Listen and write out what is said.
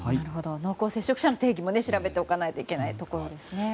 濃厚接触者の定義も調べておかないといけないところですね。